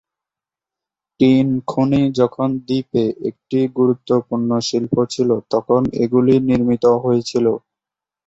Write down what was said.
Tin খনি যখন দ্বীপে একটি গুরুত্বপূর্ণ শিল্প ছিল তখন এগুলি নির্মিত হয়েছিল।